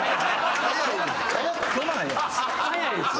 早いんすよ。